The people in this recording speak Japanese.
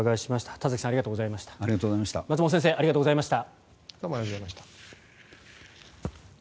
田崎さん、松本先生ありがとうございました。